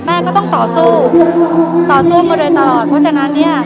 แม่ก็ต้องต่อสู้ต่อสู้มาโดยตลอดเพราะฉะนั้นเนี่ย